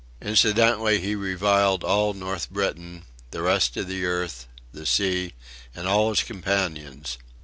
Incidentally he reviled all North Britain, the rest of the earth, the sea and all his companions.